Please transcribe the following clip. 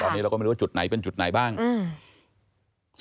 ตอนนี้เราก็ไม่รู้ว่าจุดไหนเป็นจุดไหนบ้างอืม